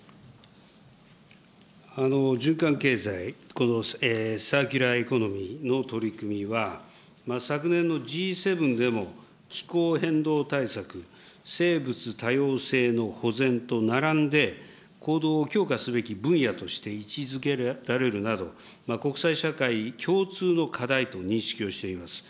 循環経済、このサーキュラーエコノミーの取り組みは、昨年のＧ７でも気候変動対策、生物多様性の保全と並んで、行動を強化すべき分野として位置づけられるなど、国際社会共通の課題と認識をしています。